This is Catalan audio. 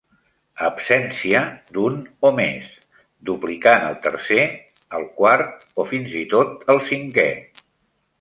Absència d"un o més; duplicant el tercer, el quart o fins i tot el cinquè.